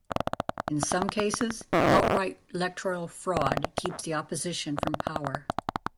In some cases outright electoral fraud keeps the opposition from power.